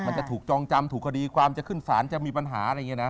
มันจะถูกจองจำถูกคดีความจะขึ้นศาลจะมีปัญหาอะไรอย่างนี้นะ